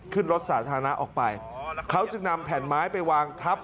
ขึ้นรถสาธารณะออกไปเขาจึงนำแผ่นไม้ไปวางทับ